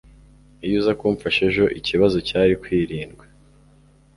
iyo uza kumfasha ejo, ikibazo cyari kwirindwa